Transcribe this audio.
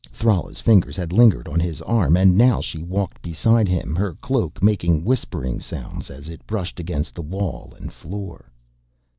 Thrala's fingers had lingered on his arm and now she walked beside him, her cloak making whispering sounds as it brushed against the wall and floor.